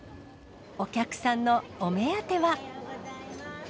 お客さんのお目当ては。